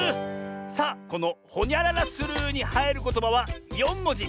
さあこの「ほにゃららする」にはいることばは４もじ。